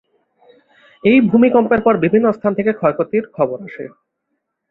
এই ভূমিকম্পের পর বিভিন্ন স্থান থেকে ক্ষয়ক্ষতির খবর আসে।